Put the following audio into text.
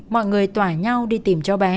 mọi người tỏa nhau đi tìm cho bé